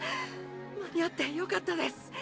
間に合ってよかったです。